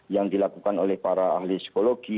yang dilakukan oleh para ahli psikologi